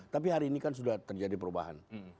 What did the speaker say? tapi hari ini kan sudah terjadi perubahan